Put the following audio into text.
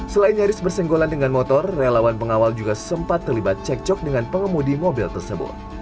selain nyaris bersenggolan dengan motor relawan pengawal juga sempat terlibat cekcok dengan pengemudi mobil tersebut